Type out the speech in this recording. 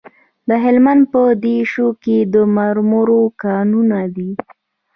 د هلمند په دیشو کې د مرمرو کانونه دي.